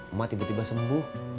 emak tiba tiba sembuh